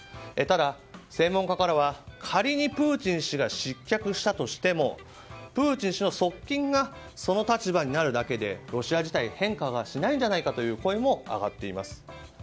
ただ、専門家からは仮にプーチン氏が失脚したとしてもプーチン氏の側近がその立場になるだけでロシア自体、変化しないんじゃないかという声も上がっています。